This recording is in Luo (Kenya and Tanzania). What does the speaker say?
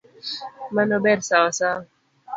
Mano ber sawasawa.